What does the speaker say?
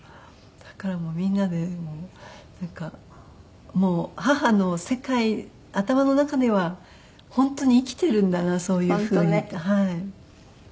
だからもうみんなでなんかもう母の世界頭の中では本当に生きてるんだなそういう風にって思いました。